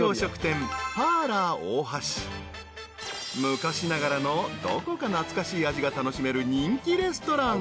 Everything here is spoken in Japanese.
［昔ながらのどこか懐かしい味が楽しめる人気レストラン］